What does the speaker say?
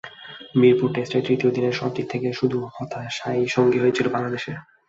মিরপুর টেস্টের তৃতীয় দিনে সবদিক থেকে শুধু হতাশাই সঙ্গী হয়েছিল বাংলাদেশের।